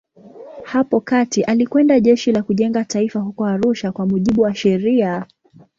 Hapo kati alikwenda Jeshi la Kujenga Taifa huko Arusha kwa mujibu wa sheria.